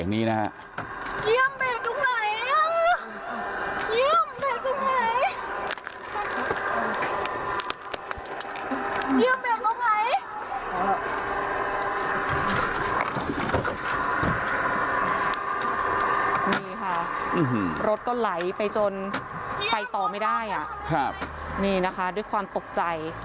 นี่ค่ะรถก็ไหลไปจนไปต่อไม่ได้นี่นะคะด้วยความตกใจ